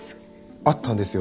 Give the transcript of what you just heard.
あったんですよ